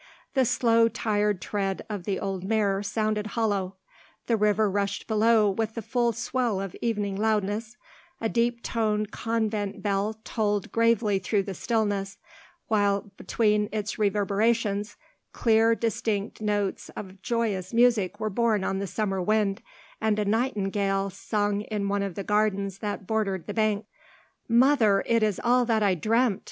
The slow, tired tread of the old mare sounded hollow; the river rushed below with the full swell of evening loudness; a deep toned convent bell tolled gravely through the stillness, while, between its reverberations, clear, distinct notes of joyous music were borne on the summer wind, and a nightingale sung in one of the gardens that bordered the banks. "Mother, it is all that I dreamt!"